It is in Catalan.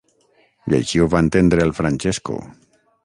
I així ho va entendre el Francesco.